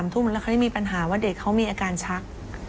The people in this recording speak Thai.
ทุ่มแล้วเขาได้มีปัญหาว่าเด็กเขามีอาการชัก